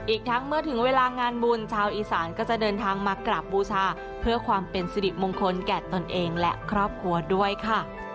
อีกทั้งเมื่อถึงเวลางานบุญชาวอีสานก็จะเดินทางมากราบบูชาเพื่อความเป็นสิริมงคลแก่ตนเองและครอบครัวด้วยค่ะ